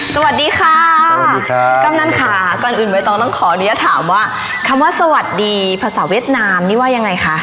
สวัสดีค่ะก่อนอื่นใบต้องต้องขออนุญาตถามว่าคำว่าสวัสดีภาษาเวียดนามนี่ว่ายังไงค่ะ